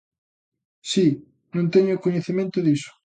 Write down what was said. Si, non teño eu coñecemento diso.